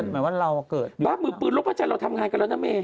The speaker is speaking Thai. บ้าวมือปืนโลกภาจันทร์เราทำงานกันแล้วนะเม